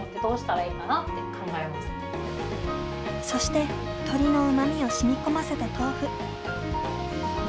そして鶏のうまみを染み込ませた豆腐。